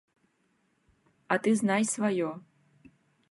А ты знай сваё.